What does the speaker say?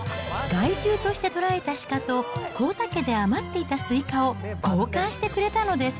害獣として捕らえた鹿と、幸田家で余っていたスイカを交換してくれたのです。